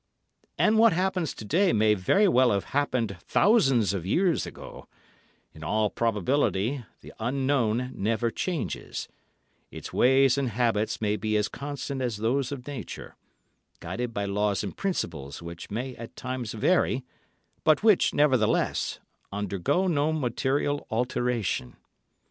And what happens to day may very well have happened thousands of years ago; in all probability, the Unknown never changes; its ways and habits may be as constant as those of Nature, guided by laws and principles which may at times vary, but which, nevertheless, undergo no material alteration.